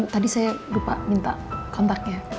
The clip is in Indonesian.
tadi saya lupa minta kontaknya